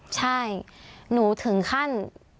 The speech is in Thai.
ใช่หนูถึงขั้น